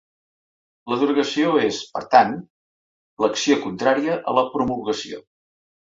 La derogació és, per tant, l'acció contrària a la promulgació.